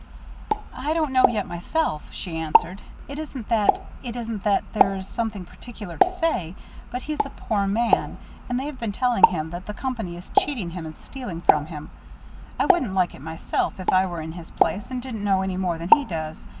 "I don't know yet, myself," she answered. "It isn't that, it isn't that there's something particular to say, but he's a poor man, and they've been telling him that the company is cheating him and stealing from him I wouldn't like it myself, if I were in his place and didn't know any more than he does.